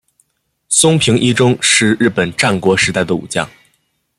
松平伊忠是日本战国时代的武将。